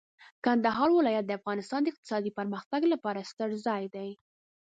کندهار ولایت د افغانستان د اقتصادي پرمختګ لپاره یو ستر ځای دی.